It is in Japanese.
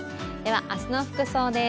明日の服装です。